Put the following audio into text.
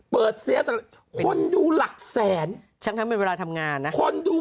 เปิดเซฟคนดูหลักแสนฉันทำเป็นเวลาทำงานนะคนดู